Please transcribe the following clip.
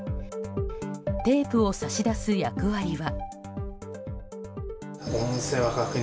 テープを差し出す役割は。